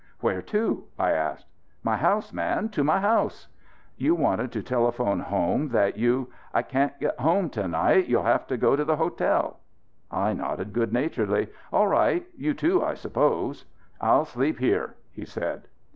"Where to?" I asked. "My house, man! To my house!" "You wanted to telephone home that you " "I can't get home to night. You'll have to go to the hotel." I nodded good naturedly. "All right. You, too, I suppose." "I'll sleep here," he said.